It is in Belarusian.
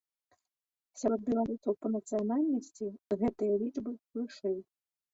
Сярод беларусаў па нацыянальнасці гэтыя лічбы вышэй.